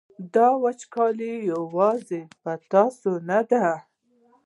دا وچکالي یوازې په تاسې نه ده.